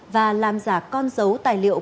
và làm giả con dấu tài liệu